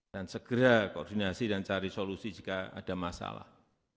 dan segera koordinasi dan cari solusi jika ada masalah